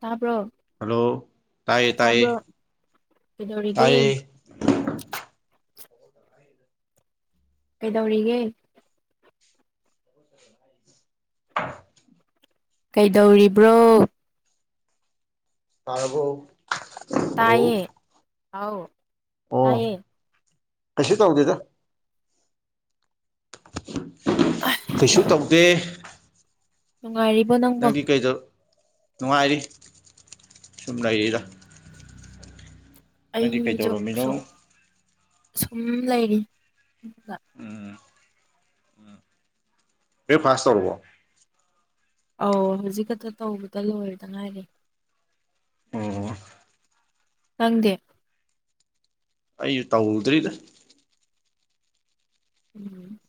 ꯇꯄ ꯍꯜꯂꯣ ꯇꯥꯏꯌꯦ ꯇꯥꯏꯌꯦ ꯇꯕ ꯀꯗꯧꯔꯒꯦ ꯇꯥꯏꯌꯦ ꯀꯩꯗꯧꯔꯤꯒꯦ [inaudible] ꯀꯩꯗꯧꯔꯤꯕ꯭ꯔꯣ ꯇꯥꯔꯕꯣ ꯍꯜꯂꯣ ꯇꯥꯏꯌꯦ ꯑꯥꯎ ꯑꯣ ꯇꯥꯏꯌꯦ ꯀꯩꯁꯨ ꯇꯧꯗꯦꯗ ꯀꯩꯁꯨ ꯇꯧꯗꯦ ꯅꯨꯡꯉꯥꯏꯔꯤꯕꯣ ꯅꯪꯕꯣ ꯅꯪꯗꯤ ꯀꯩꯗ ꯅꯨꯡꯉꯥꯏꯔꯤ ꯁꯨꯝ ꯂꯩꯔꯤꯗ ꯅꯪꯗꯤ ꯑꯩꯁꯨ ꯀꯩꯗꯧꯔꯝꯃꯤꯅꯣ ꯁꯨꯝ ꯁꯨꯝ ꯂꯩꯔꯤ ꯎꯝ ꯑꯦ ꯐꯥꯁꯇ ꯍꯕꯣ ꯑꯧ ꯍꯧꯖꯤꯛ ꯈꯛꯇ ꯇꯧꯕꯗ ꯂꯣꯏꯔꯗꯅ ꯍꯥꯏꯔꯤꯦ ꯑꯣ ꯈꯪꯗꯦ ꯑꯩꯁꯨ ꯇꯧꯗ꯭ꯔꯤꯗ ꯎꯝ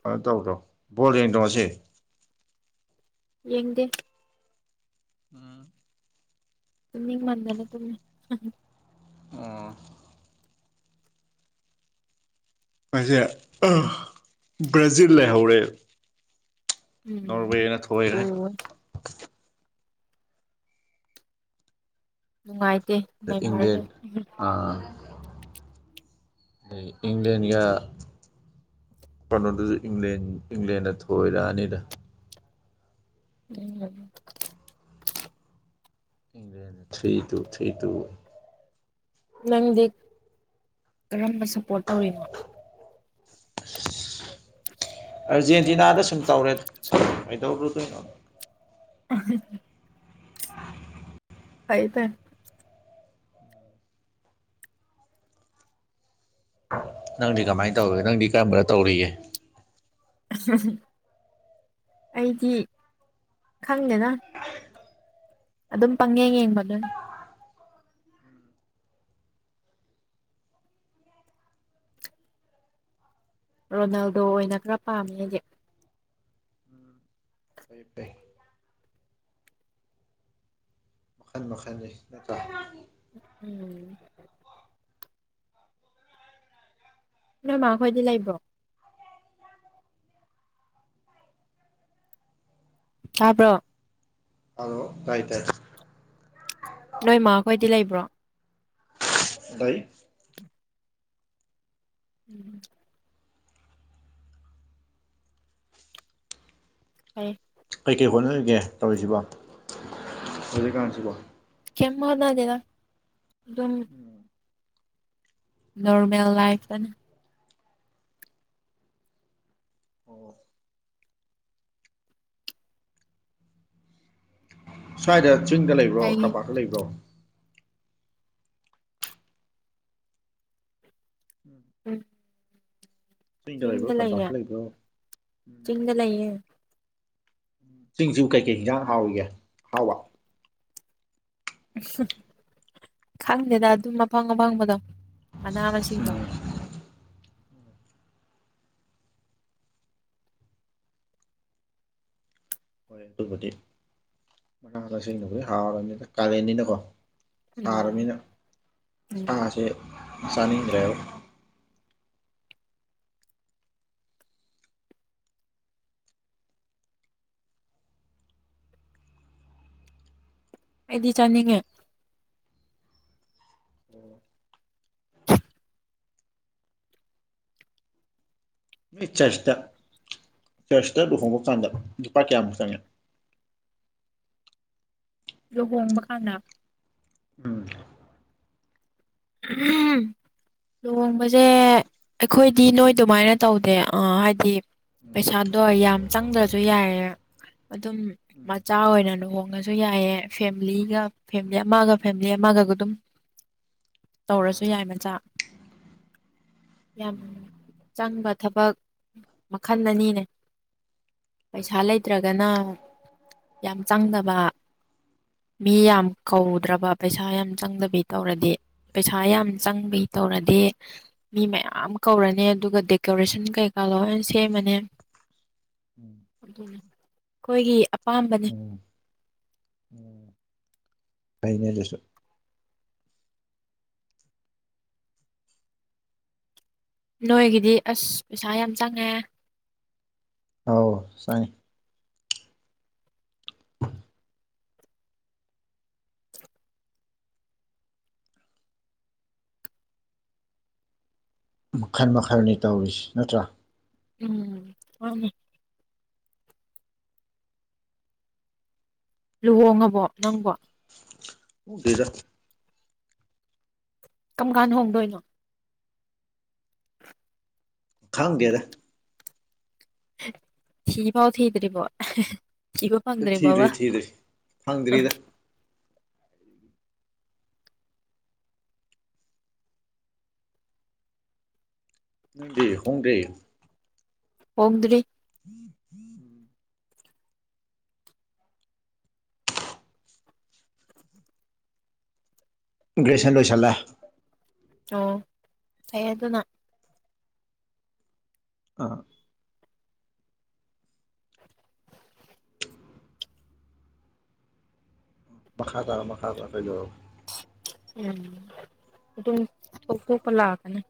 ꯀ ꯇꯧ ꯇꯧ ꯕꯣꯜ ꯌꯦ ꯇꯣꯁꯦ ꯌꯦꯡꯗꯦ ꯑ ꯃꯤ ꯃꯟꯗꯅ ꯇ ꯑ ꯑꯩꯁꯦ ꯕ꯭ꯔꯥꯖꯤꯜ ꯂꯩꯍꯧꯔꯦ ꯎꯝ ꯅꯣꯔꯋꯦ ꯌꯦꯅ ꯊꯋꯥꯏꯔꯦ ꯑꯣ ꯅꯨꯡꯉꯥꯏꯇꯦ ꯂꯩꯃꯔꯗ ꯏꯪ꯭ꯂꯦꯟ ꯌꯥ ꯀꯩꯅꯣꯗꯨꯁꯨ ꯏꯪꯂꯦꯟ ꯏꯪꯂꯦꯟꯗ ꯊꯣꯏꯔꯛꯑꯅꯤꯗ ꯎꯝ ꯏ ꯊ꯭ꯔꯤ ꯇꯨ ꯊ꯭ꯔꯤ ꯇꯨ ꯅꯪꯗꯤ ꯀꯔꯝꯕ ꯁꯞꯄꯣꯔꯠ ꯇꯧꯔꯤꯅꯣ ꯑꯔꯖꯦꯟꯇꯤꯅꯥꯗ ꯁꯨꯝ ꯇꯧꯔꯦ ꯀꯩꯗꯧꯔꯨꯗꯣꯏꯅꯣ ꯑ ꯍꯥꯏꯥꯏꯗ ꯅꯪꯗꯤ ꯀꯃꯥꯏꯅ ꯇꯧꯋꯒꯦ ꯅꯪꯗꯤ ꯀꯔꯝꯕꯅ ꯇꯧꯔꯤꯒꯦ ꯑꯩꯗꯤ ꯈꯪꯗꯦꯅ ꯑꯗꯨꯝ ꯄꯪꯉꯦ ꯌꯦꯡꯕꯒ ꯔꯣꯅꯥꯜꯗꯣ ꯑꯣꯏꯅ ꯈꯔ ꯄꯥꯝꯃꯤ ꯍꯧꯖꯤꯛ ꯍꯄꯦ ꯃꯈ ꯃꯈꯅꯤ ꯅꯠꯇ ꯎꯝ ꯅ ꯃꯥꯥꯛ ꯈꯣꯏꯗꯤ ꯂꯥꯛꯕ ꯆꯥꯕ꯭ꯔꯣ ꯑꯗꯣ ꯔꯥꯏꯇꯥꯏ ꯅꯣꯏꯃ ꯑꯩꯈꯣꯏꯗꯤ ꯂꯩꯕ꯭ꯔꯣ ꯏ ꯎꯝ ꯍ ꯀꯩꯀꯩ ꯍꯣꯠꯅꯔꯤꯒꯦ ꯇꯧꯔꯤꯁꯤꯕꯣ ꯍꯧꯖꯤꯛꯀꯥꯟꯁꯤꯕꯣ ꯆꯃꯗꯗꯦꯗ ꯑꯗꯨꯝ ꯅꯣꯔꯃꯦꯜ ꯂꯥꯏꯐꯇꯅ ꯑꯣ ꯁ꯭ꯋꯥꯏꯗ ꯆꯤꯡꯗ ꯂꯩꯕ꯭ꯔꯣ ꯀꯩ ꯇꯝꯄꯥꯛꯇ ꯂꯩꯕ꯭ꯔꯣ ꯎꯝ ꯆꯤꯡꯗ ꯂꯩꯌꯦꯦ ꯇꯝꯄꯥꯛꯇ ꯂꯩꯕ꯭ꯔꯣ ꯆꯤꯡꯗ ꯂꯩꯌꯦꯦ ꯁꯤꯡꯖꯨ ꯀꯩꯀꯩ ꯍꯟꯖꯥꯡ ꯍꯥꯎꯏꯒꯦ ꯍꯥꯎꯕ ꯈꯪꯗꯦꯗ ꯑꯗꯨꯝ ꯑꯄꯥꯡ ꯑꯄꯪꯕꯗꯣ ꯃꯅꯥ ꯃꯁꯤꯡꯕ ꯎꯝ ꯍꯣꯏ ꯑꯗꯨꯕꯨꯗꯤ ꯃꯅꯥꯛꯊꯛꯁꯤꯡꯦꯡꯅꯕꯨꯗꯤ ꯍꯥꯎꯔꯕꯅꯤꯅ ꯀꯥꯔꯦꯟꯅꯤꯅꯀꯣ ꯎꯝ ꯁꯥꯔꯕꯅꯤꯅ ꯎꯝ ꯁꯥꯁꯦ ꯆꯥꯅꯤꯡꯗ꯭ꯔꯦꯕ ꯑꯩꯗꯤ ꯆꯅꯤꯡꯅꯤꯡꯉ ꯎꯝ ꯆ ꯆꯩ ꯆꯔꯁꯇ ꯂꯨꯍꯣꯡꯃꯨꯛ ꯀꯥꯟꯗ ꯂꯨꯄꯥ ꯀꯌꯥꯃꯨꯛ ꯆꯪꯉꯦ ꯂꯨꯍꯣꯡꯕ ꯍꯥꯟꯅ ꯎꯝ ꯎꯝ ꯂꯨꯍꯣꯡꯕꯁꯦ ꯑꯩꯈꯣꯏꯗꯤ ꯅꯣꯏ ꯑꯗꯨꯃꯥꯏꯅ ꯇꯧꯗꯦ ꯑ ꯍꯥꯏꯗꯤ ꯄꯩꯁꯥꯗꯣ ꯌꯥꯝ ꯆꯪꯗ꯭ꯔꯁꯨ ꯌꯥꯏꯌꯦꯦ ꯑꯗꯨꯝ ꯃꯆꯥ ꯑꯣꯏꯅ ꯂꯨꯍꯣꯡꯉꯁꯨ ꯌꯥꯏꯑ ꯐꯦꯂꯤꯒ ꯐꯦꯂꯤ ꯑꯃꯒ ꯐꯦꯃꯤꯂꯤ ꯑꯃ ꯃꯥꯒꯒ ꯑꯗꯨꯝ ꯇꯧꯔꯁꯨ ꯌꯥꯏ ꯃꯆꯥ ꯌꯥꯝ ꯆꯪꯕ ꯊꯕꯛ ꯃꯈꯜ ꯑꯅꯤꯅꯦ ꯄꯩꯁꯥ ꯂꯩꯇ꯭ꯔꯒꯅ ꯌꯥꯝ ꯆꯪꯗꯕ ꯃꯤ ꯌꯥꯝ ꯀꯧꯗ꯭ꯔꯕ ꯄꯩꯁꯥ ꯌꯥꯝ ꯆꯪꯗꯕꯤ ꯇꯧꯔꯗꯤ ꯄꯩꯁꯥ ꯌꯥꯝ ꯆꯪꯕꯩ ꯇꯧꯔꯗꯤ ꯃꯤ ꯃꯌꯥꯝ ꯀꯧꯔꯅꯤ ꯑꯗꯨꯒ ꯗꯦꯀꯣꯔꯦꯁꯟ ꯀꯩꯀꯥ ꯆꯂꯣ ꯁꯦꯝꯃꯅꯦ ꯑꯩꯈꯣꯏꯒꯤ ꯑꯄꯥꯝꯕꯅꯤ ꯑꯅꯦꯗꯨꯁꯨ ꯅꯣꯏꯒꯤꯗꯤ ꯑꯁ ꯄꯩꯁꯥ ꯌꯥꯝ ꯆꯪꯉꯦ ꯑꯥꯎ ꯁꯥꯏꯅꯤ ꯃꯈꯜ ꯃꯈꯜꯅꯤ ꯇꯧꯔꯤꯁꯤ ꯅꯠꯇ꯭ꯔꯥ ꯎꯝ ꯍ ꯂꯨꯍꯣꯡꯉꯕꯣ ꯅꯪꯕꯣ ꯍ ꯀꯗ ꯀꯝ ꯀꯥꯟ ꯍꯣꯡꯗꯣꯏꯅꯣ ꯈꯥꯒꯦꯔ ꯊꯤ ꯐꯥꯎ ꯊꯗ꯭ꯔꯤꯕꯣ ꯏꯕ ꯐꯪꯗ꯭ꯔꯦ ꯋꯥꯕ ꯊꯤꯗ꯭ꯔꯤ ꯊꯤꯗ꯭ꯔꯤ ꯐꯪꯗ꯭ꯔꯤꯗ ꯎꯝꯗꯦ ꯍꯣꯡꯗꯦ ꯍꯗꯔꯤ ꯎꯨꯝ ꯍꯨꯝꯨꯝ ꯒ꯭ꯔꯦꯖꯟ ꯂꯣꯏ ꯆꯜꯂꯦ ꯑꯣ ꯐꯩ ꯑꯗꯨꯅ ꯑꯥ ꯃꯈꯥ ꯇꯥ ꯃꯈꯥ ꯇ ꯀꯗꯣ ꯎꯝ ꯑꯗꯨꯝ ꯊꯣꯛꯇꯣꯄ ꯂꯥꯛꯀꯅꯤ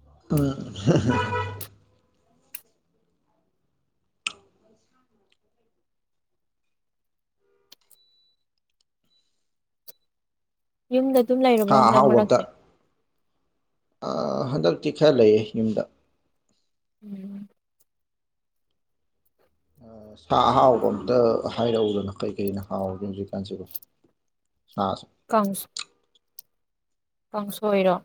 [inaudible] ꯌꯨꯝꯗ ꯑꯗꯨꯝ ꯂꯩꯔꯕꯣ ꯁꯥ ꯍꯟꯗꯛ ꯑꯍꯥꯎꯕ ꯑꯝꯇ ꯃꯔꯛꯁꯦ ꯍꯟꯗꯛꯇꯤ ꯈꯔ ꯂꯩꯌꯦ ꯌꯨꯝꯗ ꯎꯝ ꯁꯥ ꯑꯍꯥꯎꯕ ꯑꯝꯇ ꯍꯥꯏꯔꯛꯎꯗꯅ ꯀꯩꯀꯩꯅ ꯍꯥꯎꯒꯦ ꯍꯧꯖꯤꯛꯀꯥꯟꯁꯤꯕꯣ [inaudible] ꯁꯥꯁꯦ ꯀꯥꯡꯁ ꯀꯥꯡꯁꯣꯏ ꯔꯣ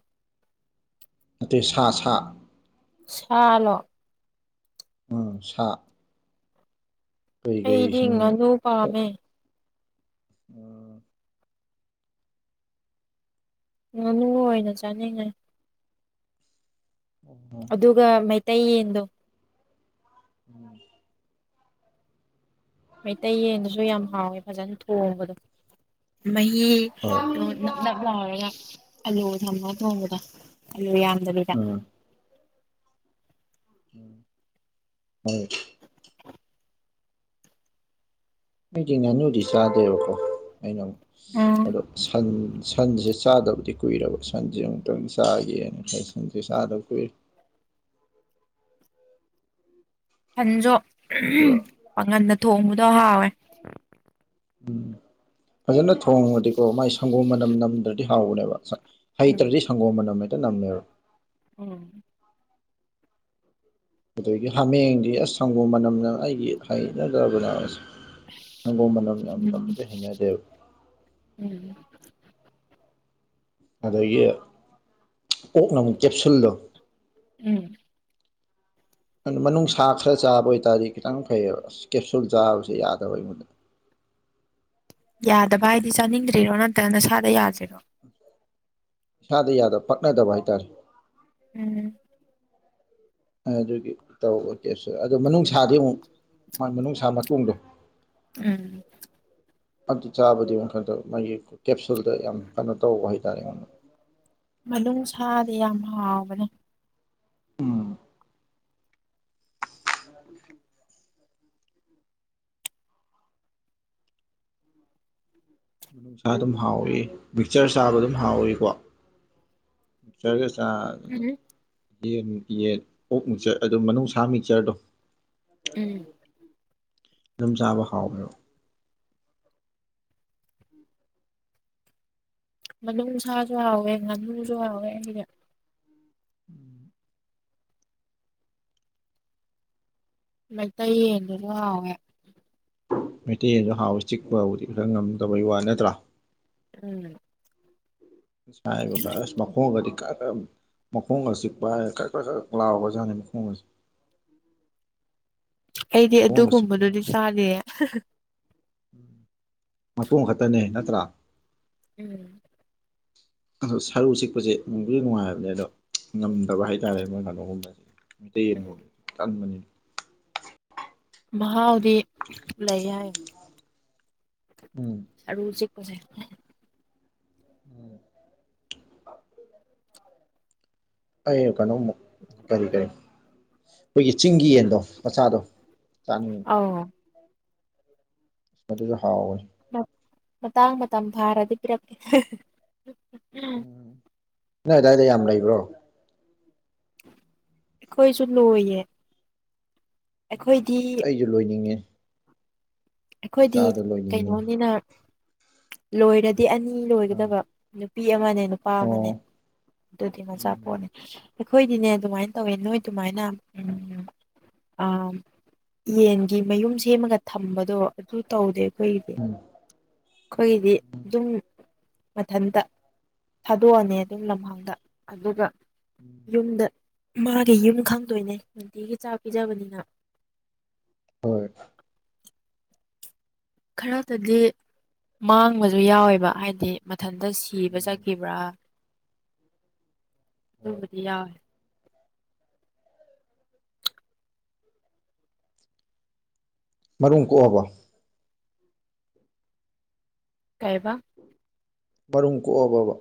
ꯅꯠꯇꯦ ꯁꯥ ꯁꯥ ꯁꯥꯂꯣ ꯎꯝ ꯁꯥ ꯀꯩꯀꯩ ꯑꯩꯗꯤ ꯁꯨꯝ ꯉꯅꯨ ꯄꯥꯝꯃꯦ ꯑꯣ ꯉꯥꯅꯨ ꯑꯣꯏꯅ ꯆꯥꯅꯤꯡꯉꯦ ꯎꯝ ꯑꯗꯨꯒ ꯃꯩꯇꯩꯌꯦꯟꯗꯣ ꯎꯝ ꯃꯩꯇꯩ ꯌꯦꯟꯗꯨꯁꯨ ꯌꯥꯝ ꯍꯥꯎꯋꯦ ꯐꯖꯅ ꯊꯣꯡꯕꯗꯣ ꯍꯣꯏ ꯃꯍꯤꯗꯣ ꯅꯞ ꯅꯞ ꯂꯥꯎꯔꯒ ꯑꯥꯂꯨ ꯊꯝꯃꯒ ꯊꯣꯡꯕꯗꯣ ꯑꯂꯨ ꯌꯥꯝ ꯕꯤꯗ ꯎ ꯍꯣꯏ ꯑꯩꯗꯤ ꯉꯥꯅꯨꯗꯤ ꯆꯥꯗꯦꯕꯀꯣ ꯑꯩꯅ ꯑꯃꯨꯛ ꯎꯝ ꯑꯗꯣ ꯁꯟ ꯁꯟꯁꯦ ꯆꯥꯗꯕꯨꯗꯤ ꯀꯨꯏꯔꯕ ꯁꯟꯁꯦ ꯑꯃꯨꯛꯇꯪ ꯆꯥꯒꯦꯅ ꯈ ꯁꯟꯁꯦ ꯆꯥꯗꯕ ꯀꯨꯏꯔꯦ [inaudible] ꯐꯟꯁꯨ ꯑꯗꯨꯒ ꯄꯥꯥꯡꯒꯟꯗ ꯊꯣꯡꯕꯗꯣ ꯍꯥꯎꯋꯦ ꯎꯝ ꯐꯖꯅ ꯊꯣꯡꯉꯗꯤꯀꯣ ꯃꯥꯏ ꯁꯪꯒꯣꯝ ꯃꯅꯝ ꯅꯝꯗ꯭ꯔꯗꯤ ꯍꯥꯎꯕꯅꯦꯕ ꯍꯩ ꯎꯝ ꯇꯔꯗꯤ ꯁꯪꯒꯣꯝ ꯃꯅꯝ ꯍꯦꯛꯇ ꯅꯝꯃꯦꯕ ꯎꯝ ꯑꯗꯒꯤ ꯍꯥꯃꯦꯡꯗꯤ ꯑꯁ ꯁꯪꯒꯣꯝ ꯃꯅꯝꯅ ꯑꯩꯒꯤ ꯍꯩꯅꯗꯕꯅ ꯑꯁ ꯁꯪꯒꯣꯝ ꯃꯅꯝ ꯌꯥꯝꯕ ꯎꯝ ꯅꯝꯕꯁꯦ ꯍꯥꯏꯅꯗꯦ ꯎꯝ ꯑꯗꯒꯤ ꯄꯣꯛꯅ ꯀꯦꯞꯁꯨꯜꯗꯣ ꯎꯝ ꯑꯗꯨ ꯃꯅꯨꯡ ꯁꯥ ꯈꯔ ꯆꯥꯕ ꯑꯣꯏꯇꯥꯥꯔꯗꯤ ꯈꯤꯇꯪ ꯐꯩꯕ ꯑꯁ ꯀꯦꯞꯁꯨꯜ ꯆꯥꯕꯁꯦ ꯌꯥꯗꯕ ꯑꯩꯉꯣꯟꯗ ꯌꯥꯗꯕ ꯍꯥꯏꯗꯤ ꯆꯥꯅꯤꯡꯗ꯭ꯔꯤꯔꯣ ꯅꯠꯇ꯭ꯔꯅ ꯅꯁꯥꯗ ꯌꯥꯗꯤꯔꯣ ꯢꯁꯥꯗ ꯌꯥꯗ ꯄꯛꯅꯗꯕ ꯍꯥꯏ ꯇꯔꯦ ꯎꯝ ꯑꯗꯨꯒꯤ ꯇꯧ ꯑꯣꯀꯦ ꯑꯗꯣ ꯃꯅꯨꯡꯅꯨꯡꯁꯥꯗꯤ ꯑꯃꯨꯛ ꯃꯅꯨꯡꯅꯨꯡꯁꯥ ꯃꯇꯨꯡꯗꯣ ꯎꯝ ꯑꯗꯨ ꯆꯥꯕꯗꯤ ꯀꯩꯅꯣ ꯇꯧꯕꯃꯥꯒꯤ ꯀꯦꯞꯁꯨꯜꯗ ꯌꯥꯝ ꯀꯩꯅꯣ ꯇꯧꯕ ꯍꯥꯏꯇꯥꯔꯦ ꯑꯩꯉꯣꯟꯗ ꯃꯅꯨꯡꯁꯥꯗꯤ ꯌꯥꯝ ꯍꯥꯎꯕꯅꯦ ꯑꯥ ꯅꯨꯡꯁꯥ ꯑꯗꯨꯝ ꯍꯥꯎꯏ ꯃꯤꯛꯆꯔ ꯆꯥꯕ ꯑꯗꯨꯝ ꯍꯥꯎꯏꯀꯣ ꯃꯤꯛꯆꯔꯒ ꯎꯝ ꯌꯦꯟ ꯌꯦꯟ ꯑꯣꯛ ꯃꯤꯛꯆꯔ ꯑꯗꯨ ꯃꯅꯨꯡꯁꯥ ꯃꯤꯛꯆꯔꯗꯣ ꯎꯝ ꯑꯗꯨꯝꯆꯕ ꯍꯥꯥꯎꯋ ꯃꯣ ꯃꯅꯨꯡꯁꯥꯁꯨ ꯍꯥꯎꯋꯦ ꯉꯥꯅꯨꯁꯨ ꯍꯥꯎꯋꯦ ꯑꯩꯁꯦ ꯃꯩ ꯇꯩ ꯌꯦꯟꯗꯨꯁꯨ ꯍꯧꯑꯦ ꯃꯩꯇꯩ ꯌꯦꯟꯁꯨ ꯍꯥꯎꯑꯀ ꯆꯤꯛꯄꯕꯨꯗꯤ ꯈꯔ ꯉꯝꯗꯕꯩ ꯋꯥ ꯅꯠꯇ꯭ꯔꯥ ꯎꯝ ꯥꯏꯕ ꯃꯈ ꯀꯣꯡꯒꯗꯤ ꯈ ꯃꯈꯣꯡꯒ ꯆꯤꯛꯄ ꯈ ꯈ ꯈ ꯂꯥꯎꯕꯖꯥꯠꯅꯤ ꯃꯈꯣꯡ ꯑꯁꯤ ꯑꯩꯗꯤ ꯑꯗꯨꯒꯨꯝꯕꯗꯨꯗꯤ ꯉꯝꯕꯗꯣ ꯆꯥꯗ ꯃꯇꯨꯡꯣ ꯈꯛꯇꯅꯦ ꯅꯠꯇ꯭ꯔꯥ ꯎꯝ ꯑꯣ ꯁꯔꯨ ꯆꯤꯛꯄꯁꯦꯕꯨ ꯅꯨꯡꯉꯥꯏꯕꯅꯦ ꯑꯗꯣ ꯉꯝꯗꯕ ꯍꯥꯏꯇꯥꯔꯦ ꯃꯣꯏ ꯀꯩꯅꯣꯒꯨꯝꯕꯁꯦ ꯃꯇꯩ ꯌꯦꯟ ꯎꯝ ꯇꯥꯟ ꯃꯅꯤ ꯃꯍꯥꯎꯗꯤ ꯂꯩ ꯍꯥꯏ ꯎꯝ ꯁ ꯎꯆꯦꯛꯛ ꯀꯁꯦ ꯎꯝ ꯑꯩ ꯀꯩꯅꯣꯝꯃꯛ ꯀꯔꯤ ꯀꯔꯤ ꯑꯩꯈꯣꯏꯒꯤ ꯆꯤꯡꯒꯤ ꯗꯣ ꯃꯆꯥꯗꯣ ꯆꯥꯅꯤꯡꯉꯤ ꯑꯧ ꯁꯁꯨ ꯍꯥꯎ ꯃꯇꯥꯡ ꯃꯇꯝ ꯐꯥꯔꯗꯤ ꯄꯤꯔꯛ ꯎꯝ ꯅꯣꯏ ꯑꯗꯨꯗꯥꯏꯗ ꯌꯥꯝ ꯂꯩꯕ꯭ꯔꯣ ꯑꯩꯈꯣꯏꯁꯨ ꯂꯣꯏꯌꯦ ꯑꯩꯈꯣꯏꯗꯤ ꯑꯁ ꯑꯩꯁꯨ ꯂꯣꯏꯅꯤꯡꯉꯦ ꯑꯩꯈꯣꯏꯗꯤ ꯃꯆꯥꯗꯣ ꯂꯣꯏꯅꯤꯡꯉꯦ ꯀꯩꯅꯣꯅꯤꯅ ꯂꯣꯏꯔꯗꯤ ꯗꯤ ꯑꯅꯤ ꯑꯥ ꯂꯣꯏꯒꯗꯕ ꯅꯨꯄꯤ ꯑꯃꯅꯦ ꯅꯨꯄꯥ ꯑꯃꯅꯦ ꯑꯣ ꯑꯗꯨꯗꯤ ꯎꯝ ꯃꯆꯥꯄꯣꯠꯅꯦ ꯑꯩꯈꯣꯏꯗꯤꯅꯦ ꯑꯗꯨꯃꯥꯏꯅ ꯇꯧꯋꯦ ꯅꯣꯏ ꯑꯗꯨꯃꯥꯏꯅ ꯎꯝ ꯎꯝ ꯑ ꯌꯦꯟꯒꯤ ꯃꯌꯨꯝ ꯁꯦꯝꯃꯒ ꯊꯝꯕꯗꯣ ꯑꯗꯨ ꯇꯧꯗꯦ ꯑꯩꯈꯣꯏꯒꯤꯗꯤ ꯎꯝ ꯑꯩꯈꯣꯏꯒꯤꯗꯤ ꯑꯗꯨꯝ ꯃꯊꯟꯇ ꯊꯥꯗꯣꯛꯑꯅꯤ ꯑꯗꯨꯝ ꯂꯝꯍꯥꯡꯗ ꯑꯗꯨꯒ ꯌꯨꯝꯗ ꯃꯥꯒꯤ ꯌꯨꯝ ꯈꯪꯗꯣꯏꯅꯦ ꯅꯨꯡꯇꯤꯒꯤ ꯆꯥꯛ ꯄꯤꯖꯕꯅꯤꯅ [inaudible] ꯍꯣꯏ ꯈꯔꯇꯗꯤ ꯃꯥꯡꯕꯁꯨ ꯌꯥꯎꯋꯦꯕ ꯍꯥꯏꯗꯤ ꯏꯊꯟꯇ ꯁꯤꯕ ꯆꯠꯈꯤꯕ꯭ꯔꯥ ꯍꯣꯏ ꯗꯤꯌꯥ ꯃꯔꯨꯝ ꯀꯣꯛꯑꯕ ꯀꯥꯏꯕ ꯃꯔꯨꯝ ꯀꯣꯛꯑꯕꯕ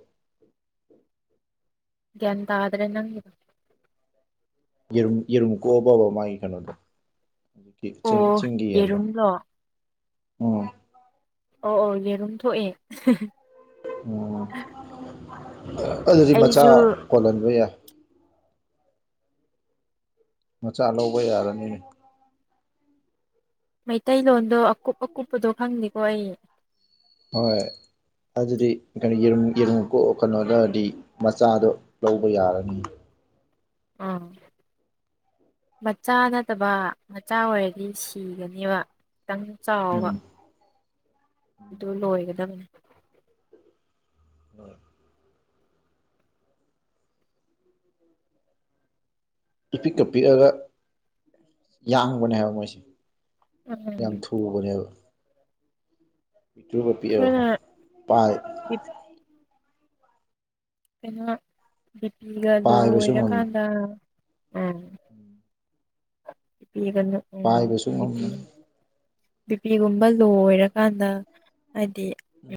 ꯒꯤꯇꯑ꯭ꯔꯦ ꯅꯪ ꯏꯔ ꯏꯔꯨꯝ ꯀꯣꯕꯕ ꯃꯥ ꯀꯩꯅꯗ ꯑꯗꯨ ꯆꯤꯡ ꯑꯣ ꯆꯤꯡꯒꯤ ꯍꯥꯏꯂꯣ ꯌꯦꯔꯨꯝꯂꯣ ꯎꯝ ꯑ ꯑꯧ ꯌꯦꯔꯨꯝ ꯊꯣꯛꯑꯦ ꯎꯝ ꯑꯗꯨꯗꯤ ꯃꯆꯥ ꯑꯩꯁꯨ ꯀꯣꯜꯍꯟꯕ ꯌꯥꯏ ꯃꯆꯥ ꯂꯧꯕ ꯌꯥꯔꯅꯤꯅꯦ ꯃꯩꯇꯩꯂꯣꯟꯗꯣ ꯑꯀꯨꯞ ꯑꯀꯨꯞꯄꯗꯣ ꯈꯪꯅꯤꯦꯀꯣ ꯑꯩ ꯍꯣꯏ ꯑꯗꯨꯗꯤ ꯀꯩꯅꯣ ꯌꯦꯨꯝ ꯌꯦꯔꯨꯝ ꯀꯣꯛ ꯀꯩꯅꯣꯗꯔꯗꯤ ꯃꯆꯥꯗꯣ ꯂꯧꯕ ꯌꯥꯔꯅꯤ ꯑꯥ ꯃꯆꯥ ꯅꯠꯇꯕ ꯃꯆꯥ ꯑꯣꯏꯔꯗꯤ ꯁꯤꯒꯅꯦꯕ ꯈꯤꯇꯪ ꯆꯥꯎꯕ ꯎꯝ ꯑꯗꯨ ꯂꯣꯏꯒꯗꯕꯅꯦ ꯎꯝ ꯏꯄꯤꯛꯀ ꯄꯤꯛꯑꯒ ꯌꯥꯡꯕꯅꯦ ꯍꯥꯏꯕ ꯃꯣꯏꯁꯦ ꯌꯥꯝ ꯎꯝ ꯊꯨꯕꯅꯦꯕ ꯃꯤꯆꯨꯔ ꯄꯄꯤ ꯑꯩꯈꯣꯏꯅ ꯑꯍ ꯄꯥꯏ ꯀꯩꯅ ꯕꯤꯄꯤꯒ ꯄꯥꯏꯕꯁꯨ ꯉꯝ ꯂꯣꯏꯣꯏꯔꯀꯥꯟꯗ ꯎꯝ ꯄꯥꯏꯕꯁꯨ ꯎꯝꯗꯤ ꯉꯝꯕꯅꯤ ꯕꯤ ꯄꯤꯒꯨꯝꯕ ꯂꯣ ꯑꯣꯏꯔꯀꯥꯟꯗ ꯍꯥꯏꯗꯤ